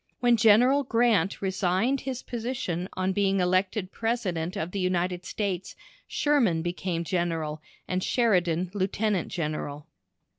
When General Grant resigned his position on being elected President of the United States, Sherman became General, and Sheridan Lieutenant General.